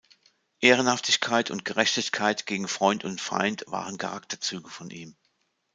Ehrenhaftigkeit und Gerechtigkeit gegen Freund und Feind waren Charakterzüge von ihm.